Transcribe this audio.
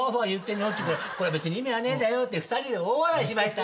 っちゅうから別に意味はねえんだよって２人で大笑いしました。